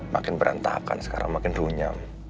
makin berantakan sekarang makin runyam